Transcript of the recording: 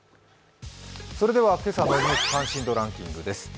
それでは今朝のニュース関心度ランキングです。